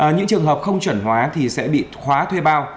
những trường hợp không chuẩn hóa thì sẽ bị khóa thuê bao